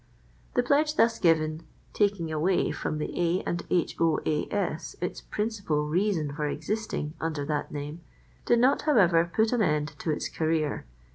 The pledge thus given, taking away from the A. & H. O. A. S. its principal reason for existing under that name, did not, however, put an end to its career.